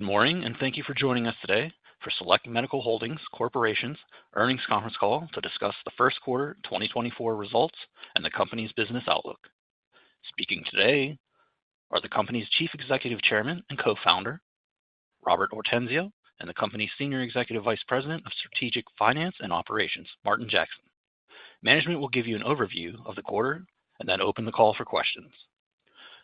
Good morning, and thank you for joining us today for Select Medical Holdings Corporation's earnings conference call to discuss the first quarter 2024 results and the company's business outlook. Speaking today are the company's Chief Executive Chairman and Co-Founder, Robert Ortenzio, and the company's Senior Executive Vice President of Strategic Finance and Operations, Martin Jackson. Management will give you an overview of the quarter and then open the call for questions.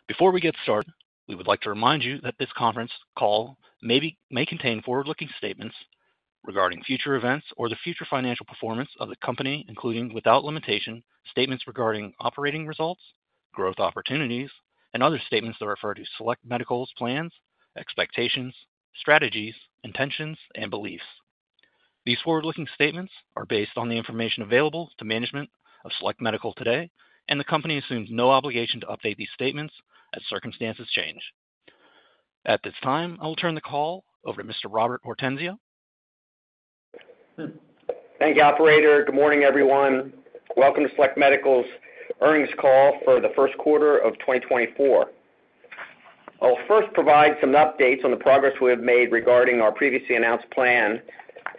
Before we get started, we would like to remind you that this conference call may contain forward-looking statements regarding future events or the future financial performance of the company, including without limitation statements regarding operating results, growth opportunities, and other statements that refer to Select Medical's plans, expectations, strategies, intentions, and beliefs. These forward-looking statements are based on the information available to management of Select Medical today, and the company assumes no obligation to update these statements as circumstances change. At this time, I will turn the call over to Mr. Robert Ortenzio. Thank you, Operator. Good morning, everyone. Welcome to Select Medical's earnings call for the first quarter of 2024. I'll first provide some updates on the progress we have made regarding our previously announced plan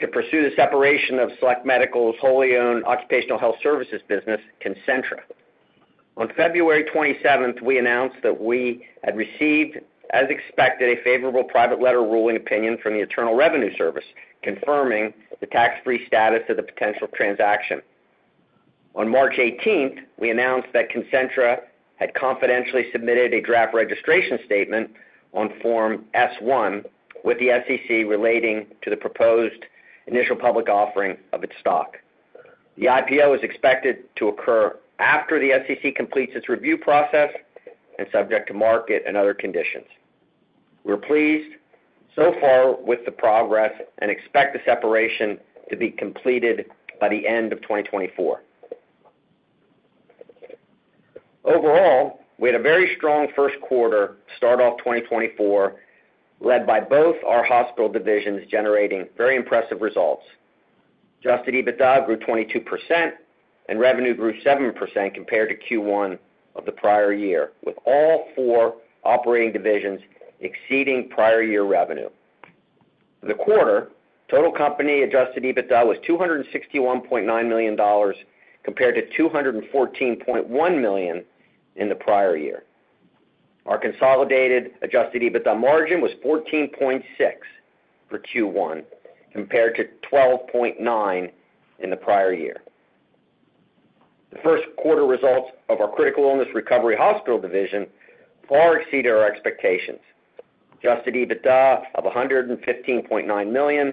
to pursue the separation of Select Medical's wholly-owned occupational health services business, Concentra. On February 27th, we announced that we had received, as expected, a favorable private letter ruling opinion from the Internal Revenue Service confirming the tax-free status of the potential transaction. On March 18th, we announced that Concentra had confidentially submitted a draft registration statement on Form S-1 with the SEC relating to the proposed initial public offering of its stock. The IPO is expected to occur after the SEC completes its review process and subject to market and other conditions. We're pleased so far with the progress and expect the separation to be completed by the end of 2024. Overall, we had a very strong first quarter start off 2024 led by both our hospital divisions generating very impressive results. Adjusted EBITDA grew 22%, and revenue grew 7% compared to Q1 of the prior year, with all four operating divisions exceeding prior year revenue. For the quarter, total company adjusted EBITDA was $261.9 million compared to $214.1 million in the prior year. Our consolidated adjusted EBITDA margin was 14.6% for Q1 compared to 12.9% in the prior year. The first quarter results of our critical illness recovery hospital division far exceeded our expectations. Adjusted EBITDA of $115.9 million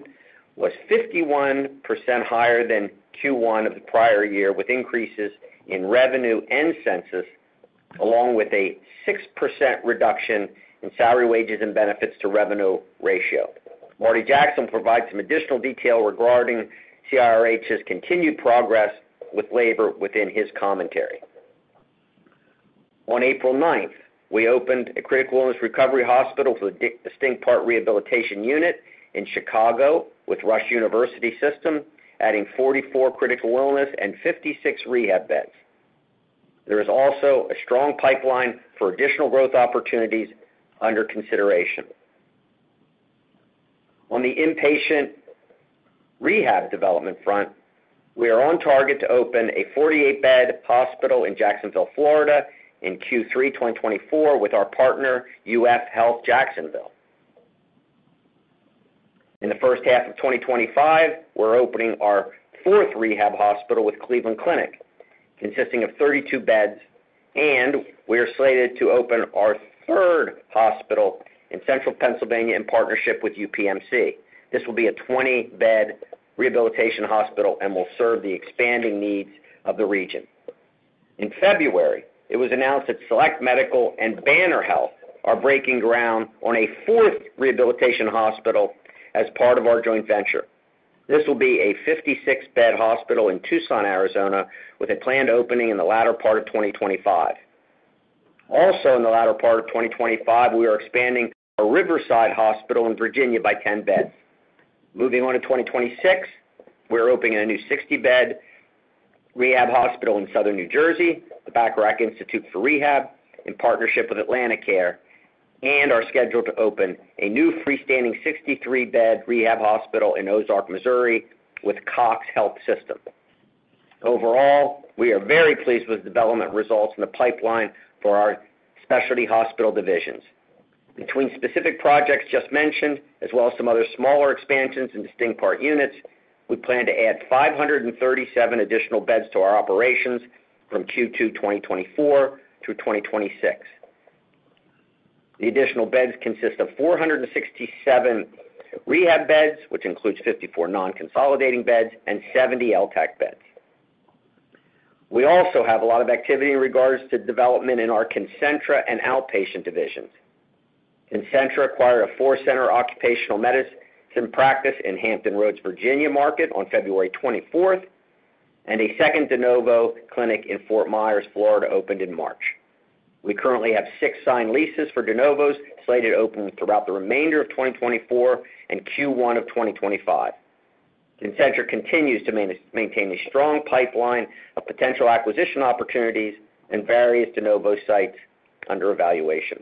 was 51% higher than Q1 of the prior year, with increases in revenue and census along with a 6% reduction in salaries, wages, and benefits to revenue ratio. Marty Jackson will provide some additional detail regarding CIRH's continued progress with labor within his commentary. On April 9th, we opened a critical illness recovery hospital for the distinct part rehabilitation unit in Chicago with Rush University System for Health, adding 44 critical illness and 56 rehab beds. There is also a strong pipeline for additional growth opportunities under consideration. On the inpatient rehab development front, we are on target to open a 48-bed hospital in Jacksonville, Florida in Q3 2024 with our partner, UF Health Jacksonville. In the first half of 2025, we're opening our fourth rehab hospital with Cleveland Clinic, consisting of 32 beds, and we are slated to open our third hospital in Central Pennsylvania in partnership with UPMC. This will be a 20-bed rehabilitation hospital and will serve the expanding needs of the region. In February, it was announced that Select Medical and Banner Health are breaking ground on a fourth rehabilitation hospital as part of our joint venture. This will be a 56-bed hospital in Tucson, Arizona, with a planned opening in the latter part of 2025. Also in the latter part of 2025, we are expanding our Riverside Hospital in Virginia by 10 beds. Moving on to 2026, we're opening a new 60-bed rehab hospital in Southern New Jersey, the Bacharach Institute for Rehab, in partnership with AtlantiCare, and are scheduled to open a new freestanding 63-bed rehab hospital in Ozark, Missouri, with CoxHealth. Overall, we are very pleased with the development results and the pipeline for our specialty hospital divisions. Between specific projects just mentioned, as well as some other smaller expansions in distinct part units, we plan to add 537 additional beds to our operations from Q2 2024 through 2026. The additional beds consist of 467 rehab beds, which includes 54 non-consolidating beds, and 70 LTAC beds. We also have a lot of activity in regards to development in our Concentra and outpatient divisions. Concentra acquired a four-center occupational medicine practice in Hampton Roads, Virginia, market on February 24th, and a second de novo clinic in Fort Myers, Florida, opened in March. We currently have six signed leases for de novos slated open throughout the remainder of 2024 and Q1 of 2025. Concentra continues to maintain a strong pipeline of potential acquisition opportunities and various de novo sites under evaluation.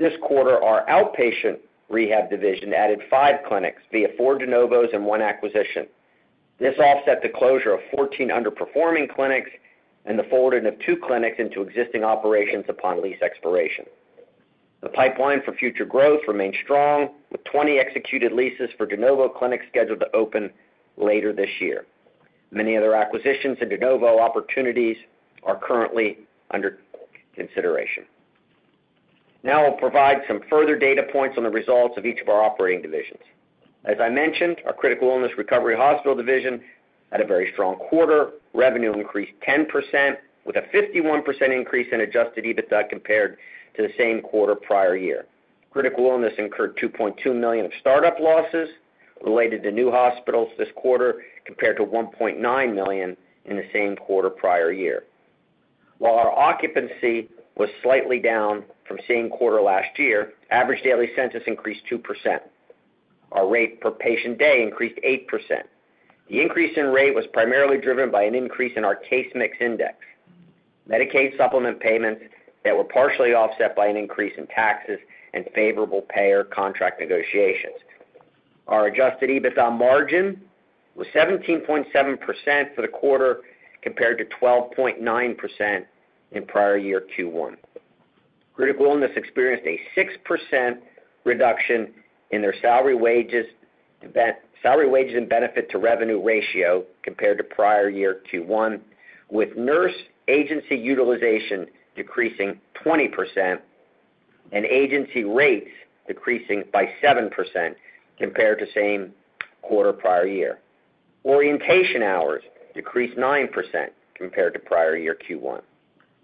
This quarter, our outpatient rehab division added five clinics via four de novos and one acquisition. This offset the closure of 14 underperforming clinics and the forwarding of two clinics into existing operations upon lease expiration. The pipeline for future growth remains strong, with 20 executed leases for de novo clinics scheduled to open later this year. Many other acquisitions and de novo opportunities are currently under consideration. Now I'll provide some further data points on the results of each of our operating divisions. As I mentioned, our critical illness recovery hospital division had a very strong quarter, revenue increased 10%, with a 51% increase in adjusted EBITDA compared to the same quarter prior year. Critical illness incurred $2.2 million of startup losses related to new hospitals this quarter compared to $1.9 million in the same quarter prior year. While our occupancy was slightly down from same quarter last year, average daily census increased 2%. Our rate per patient day increased 8%. The increase in rate was primarily driven by an increase in our case mix index, Medicaid supplement payments that were partially offset by an increase in taxes, and favorable payer contract negotiations. Our adjusted EBITDA margin was 17.7% for the quarter compared to 12.9% in prior year Q1. Critical illness experienced a 6% reduction in their salaries, wages, and benefits to revenue ratio compared to prior year Q1, with nurse agency utilization decreasing 20% and agency rates decreasing by 7% compared to same quarter prior year. Orientation hours decreased 9% compared to prior year Q1.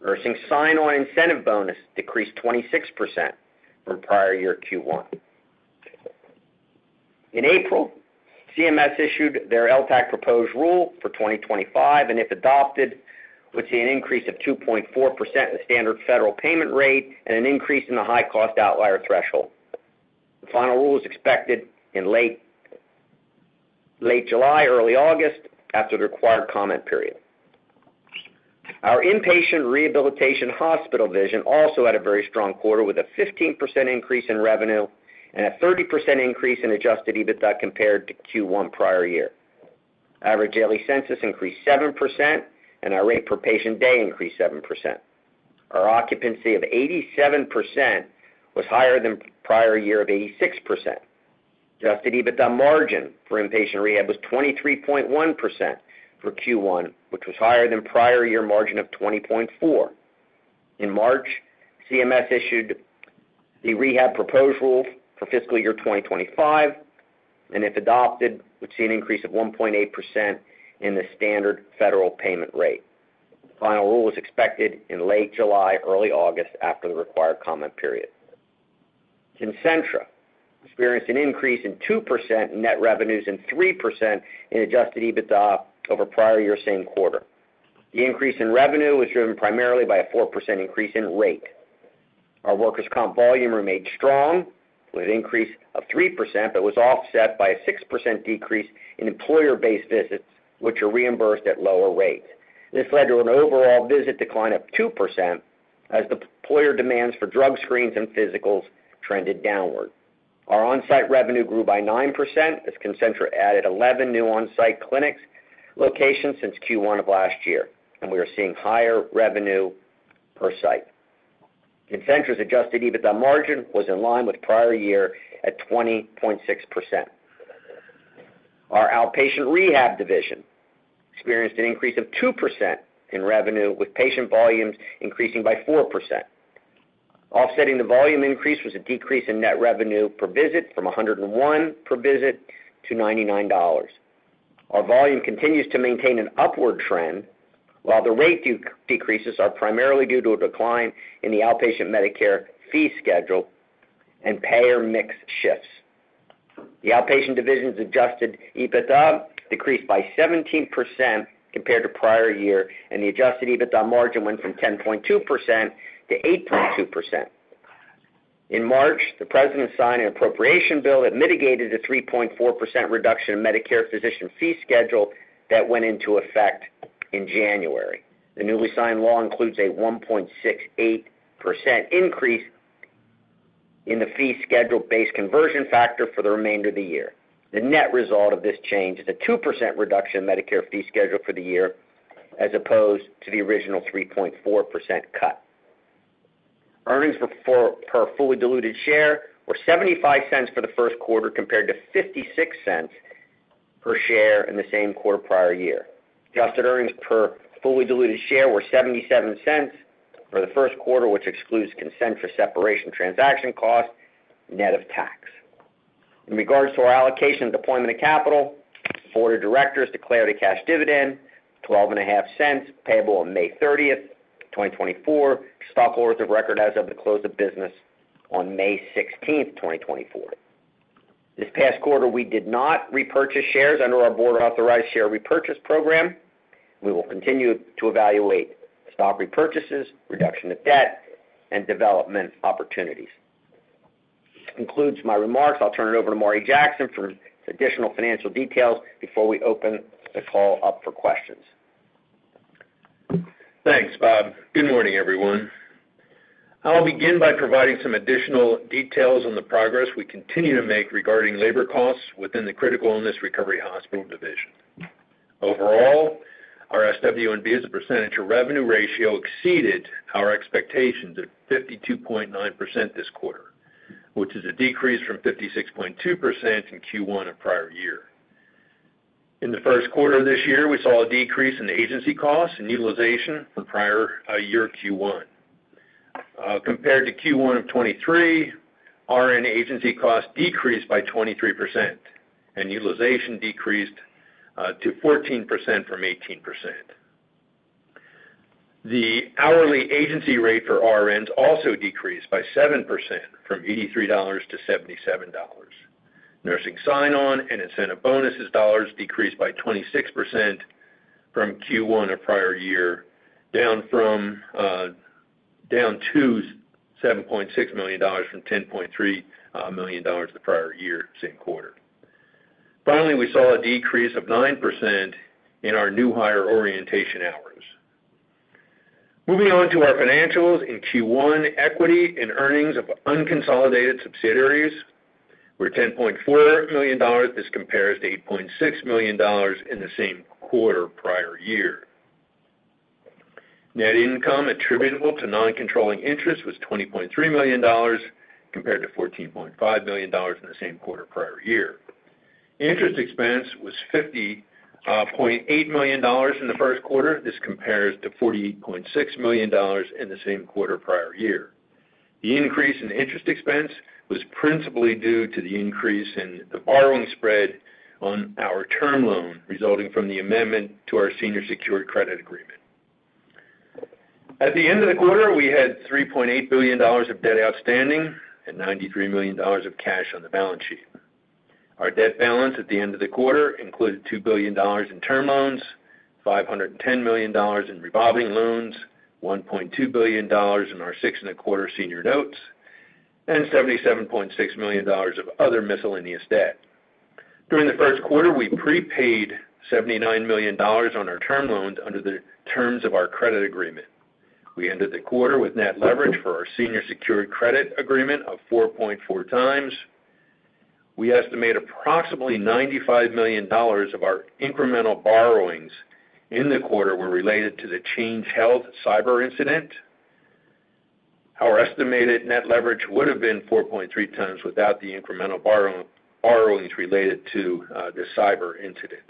Nursing sign-on incentive bonus decreased 26% from prior year Q1. In April, CMS issued their LTAC proposed rule for 2025, and if adopted, would see an increase of 2.4% in the standard federal payment rate and an increase in the high-cost outlier threshold. The final rule is expected in late July, early August, after the required comment period. Our inpatient rehabilitation hospital division also had a very strong quarter with a 15% increase in revenue and a 30% increase in adjusted EBITDA compared to Q1 prior year. Average daily census increased 7%, and our rate per patient day increased 7%. Our occupancy of 87% was higher than prior year of 86%. Adjusted EBITDA margin for inpatient rehab was 23.1% for Q1, which was higher than prior year margin of 20.4%. In March, CMS issued the rehab proposed rule for fiscal year 2025, and if adopted, would see an increase of 1.8% in the standard federal payment rate. Final rule is expected in late July, early August, after the required comment period. Concentra experienced an increase in 2% in net revenues and 3% in adjusted EBITDA over prior year same quarter. The increase in revenue was driven primarily by a 4% increase in rate. Our workers' comp volume remained strong with an increase of 3% but was offset by a 6% decrease in employer-based visits, which are reimbursed at lower rates. This led to an overall visit decline of 2% as the employer demands for drug screens and physicals trended downward. Our on-site revenue grew by 9% as Concentra added 11 new on-site clinic locations since Q1 of last year, and we are seeing higher revenue per site. Concentra's adjusted EBITDA margin was in line with prior year at 20.6%. Our outpatient rehab division experienced an increase of 2% in revenue, with patient volumes increasing by 4%. Offsetting the volume increase was a decrease in net revenue per visit from $101 per visit to $99. Our volume continues to maintain an upward trend, while the rate decreases are primarily due to a decline in the outpatient Medicare fee schedule and payer mix shifts. The outpatient division's adjusted EBITDA decreased by 17% compared to prior year, and the adjusted EBITDA margin went from 10.2% to 8.2%. In March, the president signed an appropriation bill that mitigated the 3.4% reduction in Medicare physician fee schedule that went into effect in January. The newly signed law includes a 1.68% increase in the fee schedule-based conversion factor for the remainder of the year. The net result of this change is a 2% reduction in Medicare fee schedule for the year as opposed to the original 3.4% cut. Earnings per fully diluted share were $0.75 for the first quarter compared to $0.56 per share in the same quarter prior year. Adjusted earnings per fully diluted share were $0.77 for the first quarter, which excludes Concentra separation transaction cost net of tax. In regards to our allocation of deployment of capital, the board of directors declared a cash dividend of $0.12 payable on May 30th, 2024, stockholders of record as of the close of business on May 16th, 2024. This past quarter, we did not repurchase shares under our board-authorized share repurchase program. We will continue to evaluate stock repurchases, reduction of debt, and development opportunities. This concludes my remarks. I'll turn it over to Marty Jackson for some additional financial details before we open the call up for questions. Thanks, Bob. Good morning, everyone. I'll begin by providing some additional details on the progress we continue to make regarding labor costs within the critical illness recovery hospital division. Overall, our SW&B as a percentage of revenue ratio exceeded our expectations of 52.9% this quarter, which is a decrease from 56.2% in Q1 of prior year. In the first quarter of this year, we saw a decrease in agency costs and utilization from prior year Q1. Compared to Q1 of 2023, RN agency costs decreased by 23%, and utilization decreased to 14% from 18%. The hourly agency rate for RNs also decreased by 7% from $83-$77. Nursing sign-on and incentive bonuses decreased by 26% from Q1 of prior year, down to $7.6 million from $10.3 million the prior year same quarter. Finally, we saw a decrease of 9% in our new hire orientation hours. Moving on to our financials in Q1, equity in earnings of unconsolidated subsidiaries were $10.4 million. This compares to $8.6 million in the same quarter prior year. Net income attributable to non-controlling interest was $20.3 million compared to $14.5 million in the same quarter prior year. Interest expense was $50.8 million in the first quarter. This compares to $48.6 million in the same quarter prior year. The increase in interest expense was principally due to the increase in the borrowing spread on our term loan resulting from the amendment to our senior secured credit agreement. At the end of the quarter, we had $3.8 billion of debt outstanding and $93 million of cash on the balance sheet. Our debt balance at the end of the quarter included $2 billion in term loans, $510 million in revolving loans, $1.2 billion in our 6.25% senior notes, and $77.6 million of other miscellaneous debt. During the first quarter, we prepaid $79 million on our term loans under the terms of our credit agreement. We ended the quarter with net leverage for our senior secured credit agreement of 4.4x. We estimate approximately $95 million of our incremental borrowings in the quarter were related to the Change Healthcare cyber incident. Our estimated net leverage would have been 4.3x without the incremental borrowings related to the cyber incident.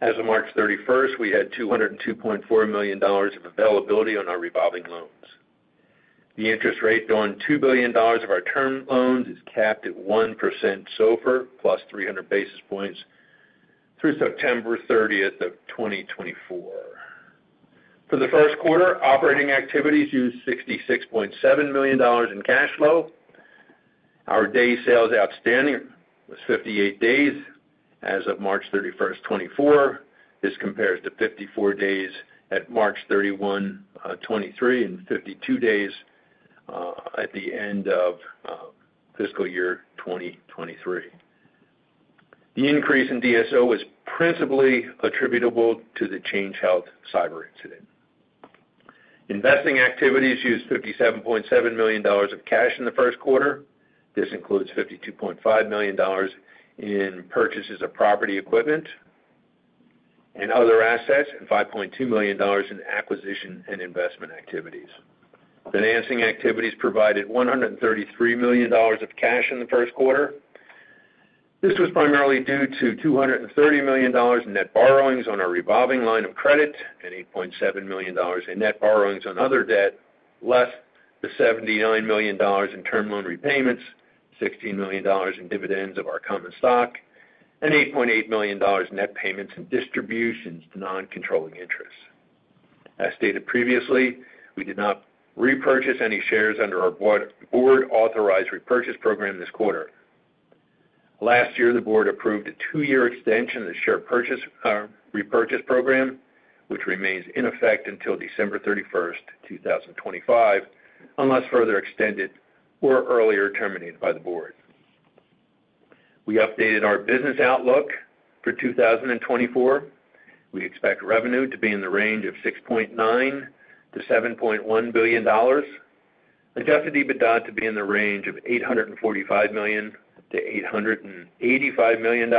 As of March 31st, we had $202.4 million of availability on our revolving loans. The interest rate on $2 billion of our term loans is capped at 1% SOFR plus 300 basis points through September 30th of 2024. For the first quarter, operating activities used $66.7 million in cash flow. Our day sales outstanding was 58 days as of March 31st, 2024. This compares to 54 days at March 31, 2023 and 52 days at the end of fiscal year 2023. The increase in DSO was principally attributable to the Change Healthcare cyber incident. Investing activities used $57.7 million of cash in the first quarter. This includes $52.5 million in purchases of property, equipment, and other assets and $5.2 million in acquisition and investment activities. Financing activities provided $133 million of cash in the first quarter. This was primarily due to $230 million in net borrowings on our revolving line of credit and $8.7 million in net borrowings on other debt, less the $79 million in term loan repayments, $16 million in dividends of our common stock, and $8.8 million net payments and distributions to non-controlling interest. As stated previously, we did not repurchase any shares under our board-authorized repurchase program this quarter. Last year, the board approved a two-year extension of the share repurchase program, which remains in effect until December 31st, 2025, unless further extended or earlier terminated by the board. We updated our business outlook for 2024. We expect revenue to be in the range of $6.9-$7.1 billion, adjusted EBITDA to be in the range of $845-$885 million,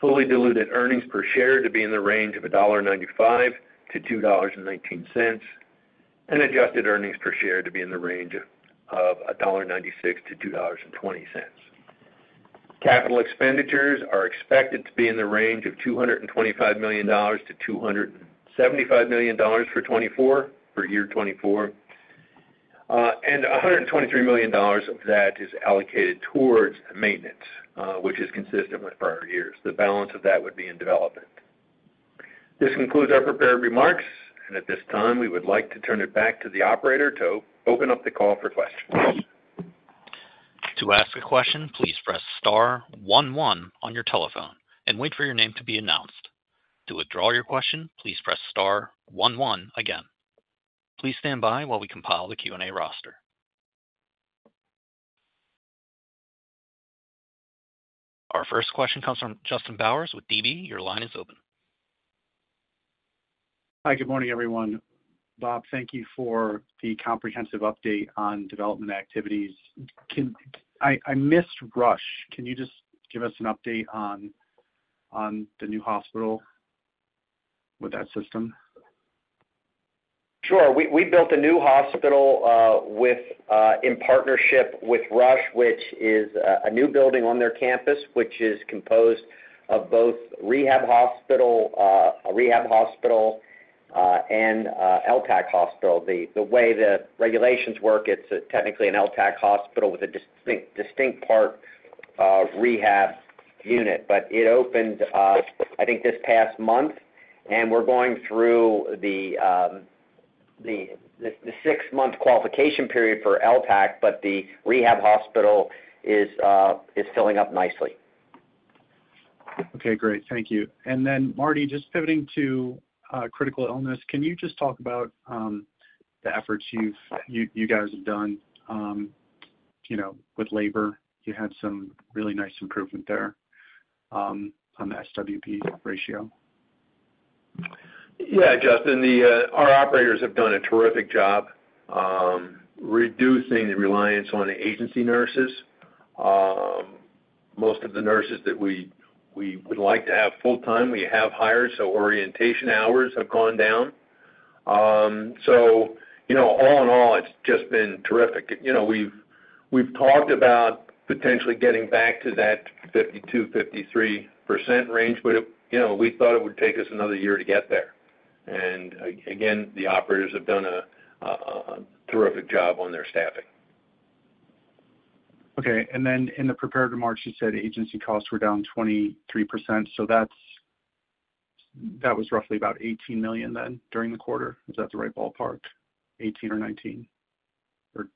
fully diluted earnings per share to be in the range of $1.95-$2.19, and adjusted earnings per share to be in the range of $1.96-$2.20. Capital expenditures are expected to be in the range of $225-$275 million for 2024, for year 2024, and $123 million of that is allocated towards maintenance, which is consistent with prior years. The balance of that would be in development. This concludes our prepared remarks, and at this time, we would like to turn it back to the operator to open up the call for questions. To ask a question, please press star one one on your telephone and wait for your name to be announced. To withdraw your question, please press star one one again. Please stand by while we compile the Q&A roster. Our first question comes from Justin Bowers with DB. Your line is open. Hi. Good morning, everyone. Bob, thank you for the comprehensive update on development activities. I missed Rush. Can you just give us an update on the new hospital with that system? Sure. We built a new hospital in partnership with Rush, which is a new building on their campus, which is composed of both a rehab hospital and LTAC hospital. The way the regulations work, it's technically an LTAC hospital with a distinct part rehab unit, but it opened, I think, this past month, and we're going through the six-month qualification period for LTAC, but the rehab hospital is filling up nicely. Okay. Great. Thank you. And then, Marty, just pivoting to critical illness, can you just talk about the efforts you guys have done with labor? You had some really nice improvement there on the SW&B ratio. Yeah, Justin. Our operators have done a terrific job reducing the reliance on agency nurses. Most of the nurses that we would like to have full-time, we have hired, so orientation hours have gone down. So all in all, it's just been terrific. We've talked about potentially getting back to that 52%-53% range, but we thought it would take us another year to get there. And again, the operators have done a terrific job on their staffing. Okay. And then in the prepared remarks, you said agency costs were down 23%. So that was roughly about $18 million then during the quarter. Is that the right ballpark, 18 or 19, or?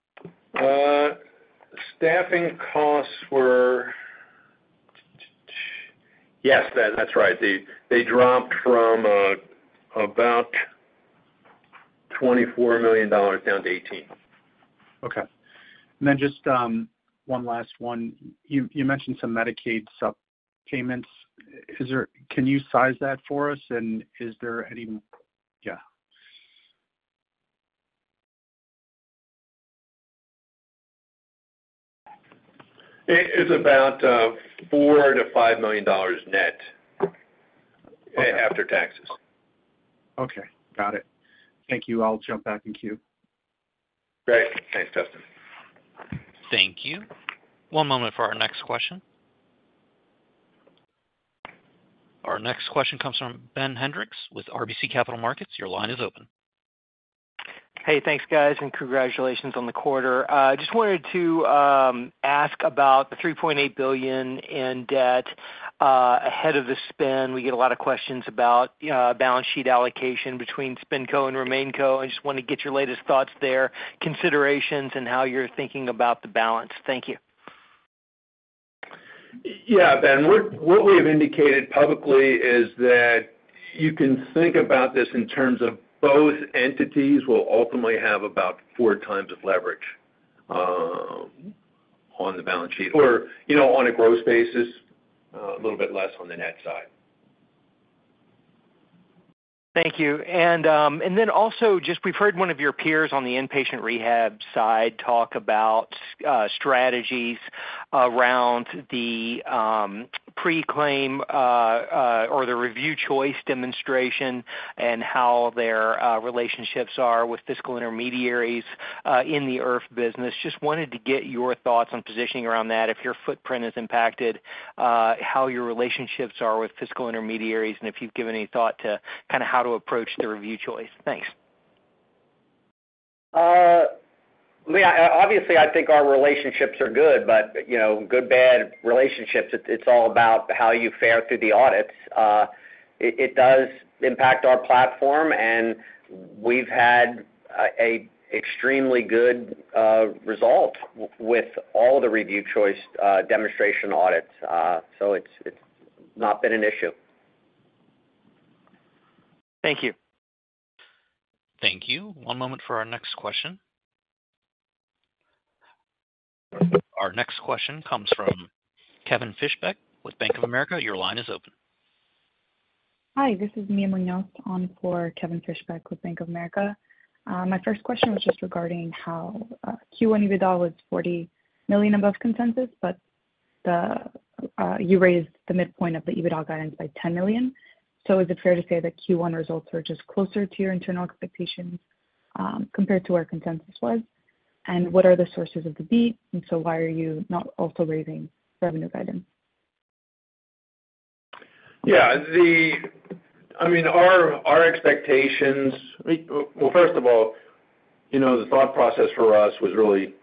Staffing costs were yes, that's right. They dropped from about $24 million down to $18 million. Okay. And then just one last one. You mentioned some Medicaid subpayments. Can you size that for us, and is there any yeah? It's about $4 million-$5 million net after taxes. Okay. Got it. Thank you. I'll jump back and queue. Great. Thanks, Justin. Thank you. One moment for our next question. Our next question comes from Ben Hendricks with RBC Capital Markets. Your line is open. Hey. Thanks, guys, and congratulations on the quarter. I just wanted to ask about the $3.8 billion in debt ahead of the spin. We get a lot of questions about balance sheet allocation between SpinCo and RemainCo. I just want to get your latest thoughts there, considerations, and how you're thinking about the balance. Thank you. Yeah, Ben. What we have indicated publicly is that you can think about this in terms of both entities will ultimately have about 4x leverage on the balance sheet or on a gross basis, a little bit less on the net side. Thank you. And then also, just we've heard one of your peers on the inpatient rehab side talk about strategies around the pre-claim or the Review Choice Demonstration and how their relationships are with fiscal intermediaries in the IRF business. Just wanted to get your thoughts on positioning around that, if your footprint is impacted, how your relationships are with fiscal intermediaries, and if you've given any thought to kind of how to approach the Review Choice. Thanks. Obviously, I think our relationships are good, but good, bad relationships, it's all about how you fare through the audits. It does impact our platform, and we've had an extremely good result with all of the Review Choice Demonstration audits, so it's not been an issue. Thank you. Thank you. One moment for our next question. Our next question comes from Kevin Fishbeck with Bank of America. Your line is open. Hi. This is Mia Muñoz on for Kevin Fishbeck with Bank of America. My first question was just regarding how Q1 EBITDA was $40 million above consensus, but you raised the midpoint of the EBITDA guidance by $10 million. So is it fair to say that Q1 results were just closer to your internal expectations compared to where consensus was? And what are the sources of the beat, and so why are you not also raising revenue guidance? Yeah. I mean, our expectations, well, first of all, the thought process for us was really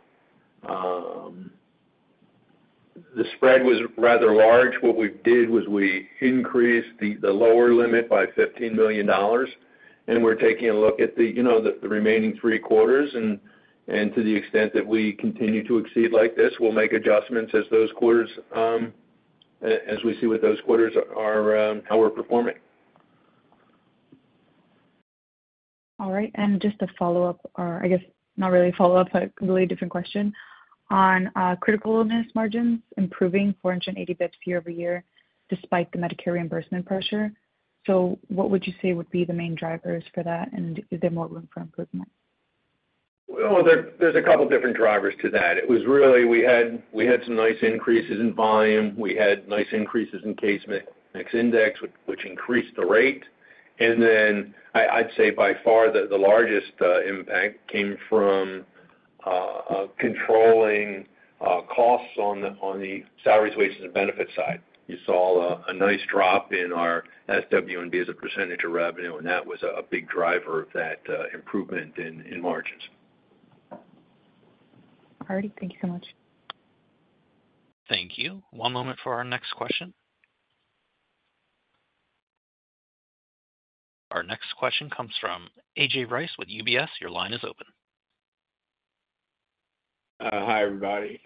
the spread was rather large. What we did was we increased the lower limit by $15 million, and we're taking a look at the remaining three quarters. And to the extent that we continue to exceed like this, we'll make adjustments as we see what those quarters are, how we're performing. All right. Just to follow up or I guess not really follow up, but a completely different question. On critical illness margins, improving 480 basis points year-over-year despite the Medicare reimbursement pressure. What would you say would be the main drivers for that, and is there more room for improvement? Well, there's a couple of different drivers to that. It was really we had some nice increases in volume. We had nice increases in case mix index, which increased the rate. And then I'd say by far, the largest impact came from controlling costs on the salaries, wages, and benefits side. You saw a nice drop in our SW&B as a percentage of revenue, and that was a big driver of that improvement in margins. All righty. Thank you so much. Thank you. One moment for our next question. Our next question comes from A.J. Rice with UBS. Your line is open. Hi, everybody.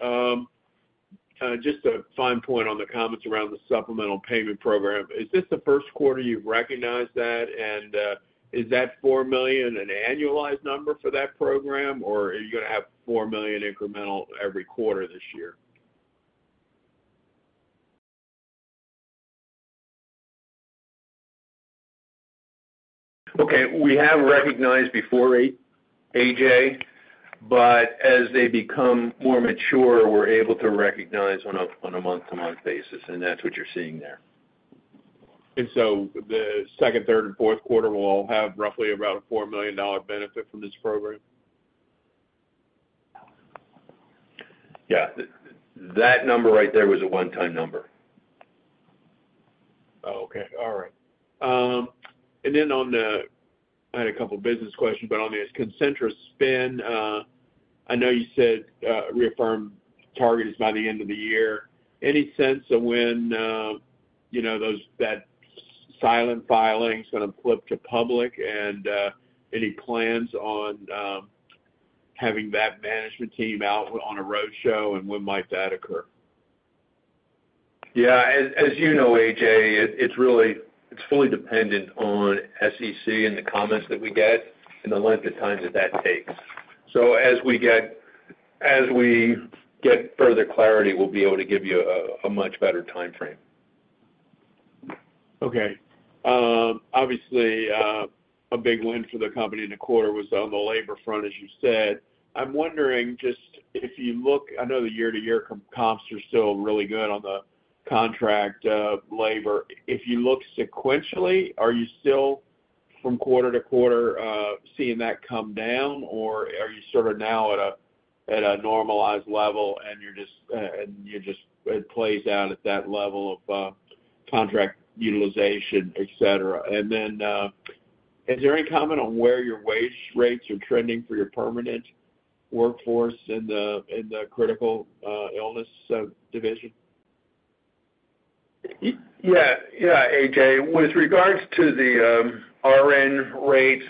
Just a fine point on the comments around the supplemental payment program. Is this the first quarter you've recognized that, and is that $4 million an annualized number for that program, or are you going to have $4 million incremental every quarter this year? Okay. We have recognized before AJ, but as they become more mature, we're able to recognize on a month-to-month basis, and that's what you're seeing there. And so the second, third, and fourth quarter will all have roughly about a $4 million benefit from this program? Yeah. That number right there was a one-time number. Oh, okay. All right. And then on the I had a couple of business questions, but on the Concentra spend, I know you said reaffirm target is by the end of the year. Any sense of when that silent filing is going to flip to public, and any plans on having that management team out on a roadshow, and when might that occur? Yeah. As you know, A.J., it's fully dependent on SEC and the comments that we get and the length of time that that takes. So as we get further clarity, we'll be able to give you a much better timeframe. Okay. Obviously, a big win for the company in the quarter was on the labor front, as you said. I'm wondering just if you look. I know the year-to-year comps are still really good on the contract labor. If you look sequentially, are you still from quarter-to-quarter seeing that come down, or are you sort of now at a normalized level, and you're just it plays out at that level of contract utilization, etc.? And then is there any comment on where your wage rates are trending for your permanent workforce in the critical illness division? Yeah. Yeah, A.J.. With regards to the RN rates,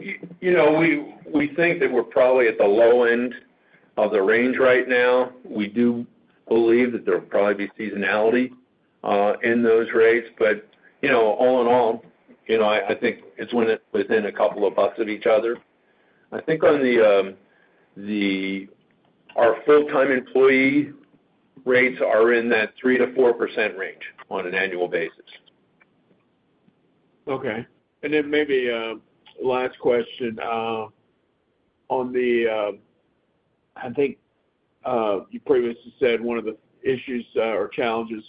we think that we're probably at the low end of the range right now. We do believe that there'll probably be seasonality in those rates, but all in all, I think it's within a couple of bucks of each other. I think our full-time employee rates are in that 3%-4% range on an annual basis. Okay. And then maybe last question. I think you previously said one of the issues or challenges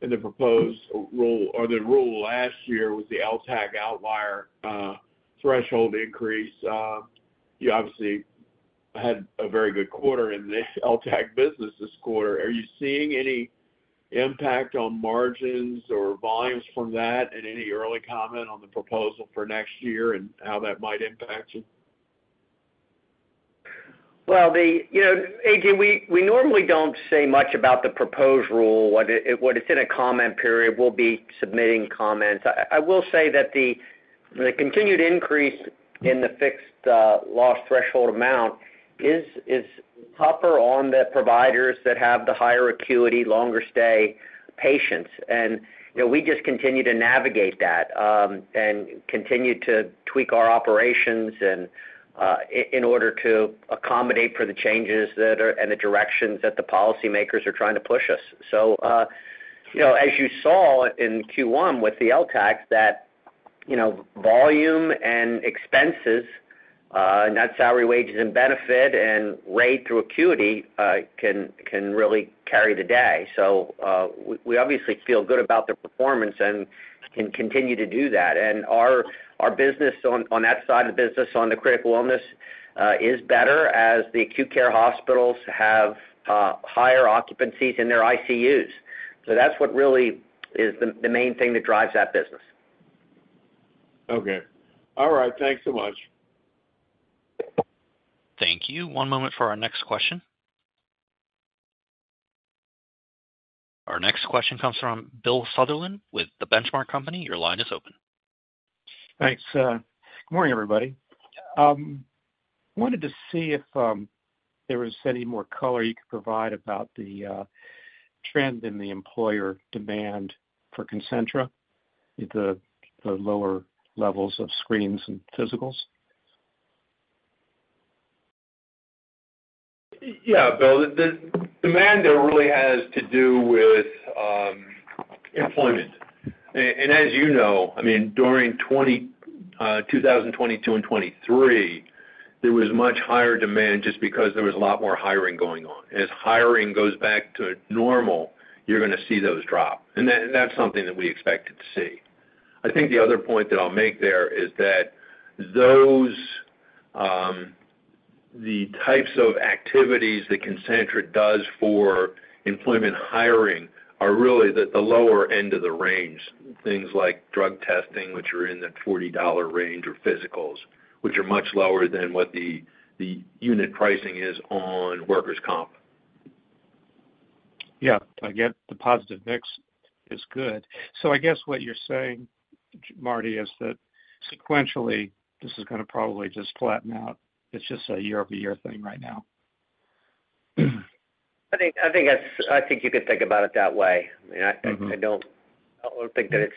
in the proposed rule or the rule last year was the LTAC outlier threshold increase. You obviously had a very good quarter in the LTAC business this quarter. Are you seeing any impact on margins or volumes from that, and any early comment on the proposal for next year and how that might impact you? Well, A.J., we normally don't say much about the proposed rule. While it's in a comment period, we'll be submitting comments. I will say that the continued increase in the fixed loss threshold amount is tougher on the providers that have the higher acuity, longer stay patients. We just continue to navigate that and continue to tweak our operations in order to accommodate for the changes and the directions that the policymakers are trying to push us. So as you saw in Q1 with the LTAC, that volume and expenses, and that salaries, wages, and benefits, and rate through acuity can really carry the day. So we obviously feel good about the performance and can continue to do that. Our business on that side of the business on the critical illness is better as the acute care hospitals have higher occupancies in their ICUs. So that's what really is the main thing that drives that business. Okay. All right. Thanks so much. Thank you. One moment for our next question. Our next question comes from Bill Sutherland with The Benchmark Company. Your line is open. Thanks. Good morning, everybody. Wanted to see if there was any more color you could provide about the trend in the employer demand for Concentra, the lower levels of screens and physicals? Yeah, Bill. The demand there really has to do with employment. As you know, I mean, during 2022 and 2023, there was much higher demand just because there was a lot more hiring going on. As hiring goes back to normal, you're going to see those drop. And that's something that we expected to see. I think the other point that I'll make there is that the types of activities that Concentra does for employment hiring are really the lower end of the range, things like drug testing, which are in the $40 range, or physicals, which are much lower than what the unit pricing is on workers' comp. Yeah. I get the positive mix is good. So I guess what you're saying, Marty, is that sequentially, this is going to probably just flatten out. It's just a year-over-year thing right now. I think you could think about it that way. I don't think that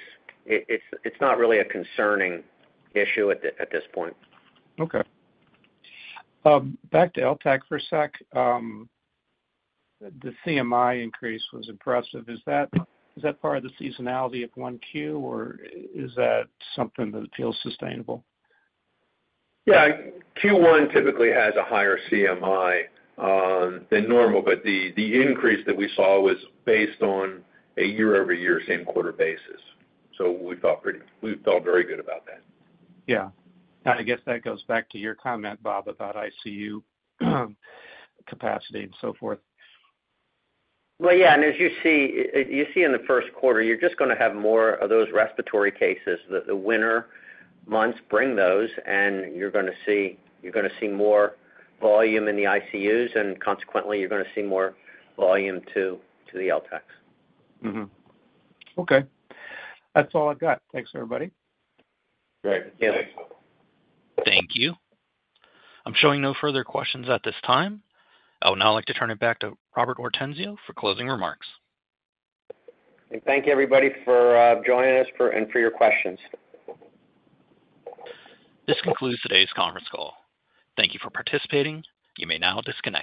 it's not really a concerning issue at this point. Okay. Back to LTAC for a sec. The CMI increase was impressive. Is that part of the seasonality of 1Q, or is that something that feels sustainable? Yeah. Q1 typically has a higher CMI than normal, but the increase that we saw was based on a year-over-year, same-quarter basis. So we felt very good about that. Yeah. I guess that goes back to your comment, Bob, about ICU capacity and so forth. Well, yeah. And as you see in the first quarter, you're just going to have more of those respiratory cases. The winter months bring those, and you're going to see more volume in the ICUs, and consequently, you're going to see more volume to the LTACs. Okay. That's all I've got. Thanks, everybody. Great. Thanks. Thank you. I'm showing no further questions at this time. I would now like to turn it back to Robert Ortenzio for closing remarks. Thank you, everybody, for joining us and for your questions. This concludes today's conference call. Thank you for participating. You may now disconnect.